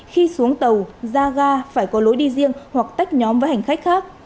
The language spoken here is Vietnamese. khi xuống tàu ra ga phải có lối đi riêng hoặc tách nhóm với hành khách khác